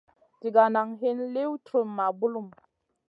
Ɗiga nan hin liw truhma bulum.